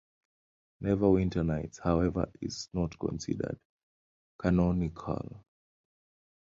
"Neverwinter Nights", however, is not considered canonical.